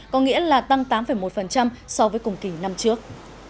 có nghĩa là tăng tám một so với cùng kỳ năm trước